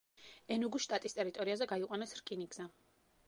ენუგუს შტატის ტერიტორიაზე გაიყვანეს რკინიგზა.